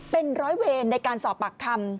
เป็นร้อยเวรในการสอบปากคำ